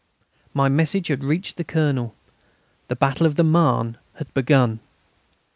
My message had reached the Colonel. The battle of the Marne had begun.